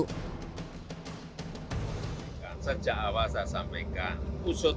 ketika menerima pernyataan yang sama presiden kembali menegaskan pernyataannya